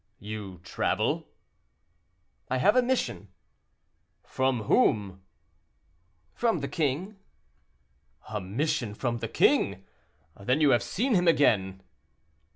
"You travel?" "I have a mission." "From whom?" "From the king." "A mission from the king! then you have seen him again?"